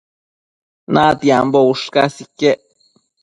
natiambo ushcas iquec